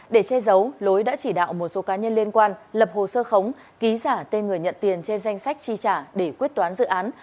để che giấu lối đã chỉ đạo một số cá nhân liên quan lập hồ sơ khống ký giả tên người nhận tiền trên danh sách chi trả để quyết toán dự án